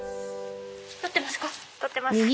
撮ってます。